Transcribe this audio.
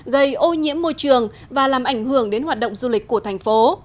gây ô nhiễm môi trường và làm ảnh hưởng đến hoạt động du lịch của thành phố